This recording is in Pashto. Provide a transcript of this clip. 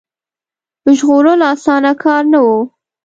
ژغورل اسانه کار نه وو.